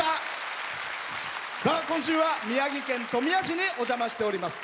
今週は宮城県富谷市にお邪魔しております。